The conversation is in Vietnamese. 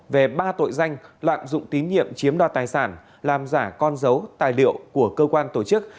về ba tội danh lạm dụng tín nhiệm chiếm đoạt tài sản làm giả con dấu tài liệu của cơ quan tổ chức